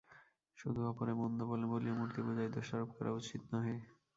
শুধু অপরে মন্দ বলে বলিয়া মূর্তিপূজায় দোষারোপ করা উচিত নহে।